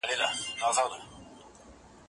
زه به اوږده موده د تکړښت لپاره تللي وم،